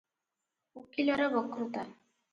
"ଉକୀଲର ବକ୍ତୃତା-